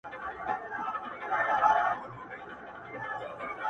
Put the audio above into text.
که طوطي چېري ګنجی لیدلی نه وای؛